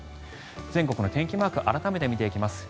全国の天気マークを改めて見ていきます。